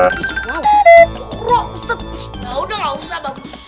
udah gak usah bagus